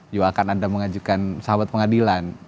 juga akan ada mengajukan sahabat pengadilan